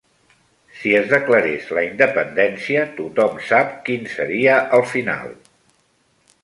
Si es declarés la independència, tothom sap quin seria el final.